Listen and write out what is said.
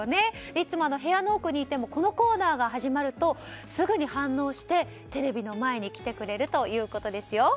いつも部屋の奥にいてもこのコーナーが始まるとすぐに反応してテレビの前に来てくれるそうですよ。